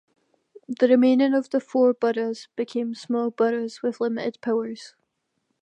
The remaining four burghs became "small burghs", with limited powers.